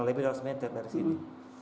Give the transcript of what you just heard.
lebih dua ratus meter dari sini